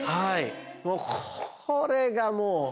もうこれがもう。